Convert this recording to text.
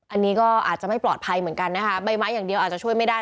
อันนี้ก็อาจจะไม่ปลอดภัยเหมือนกันนะคะใบไม้อย่างเดียวอาจจะช่วยไม่ได้